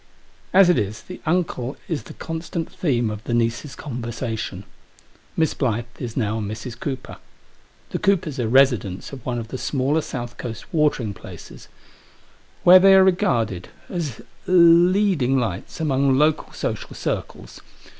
As it is, the uncle is the constant theme of the niece's conversation. Miss Blyth is now Mrs. Cooper. The Coopers are residents of one of the smaller south coast watering places, where they are regarded as leading Digitized by HOW MATTERS STAND TO DAY. 809 lights among local social circles.